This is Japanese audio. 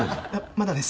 まだです。